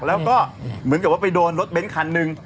แล้วก็เหมือนกับว่าไปโดนรถเบ้นคันหนึ่ง